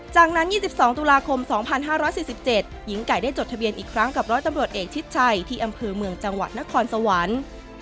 จากนั้น๒๒ตุลาคม๒๕๔๗หญิงไก่ได้จดทะเบียนอีกครั้งกับร้อยตำรวจเอกชิดชัยที่อำเภอเมืองจังหวัดนครสวรรค์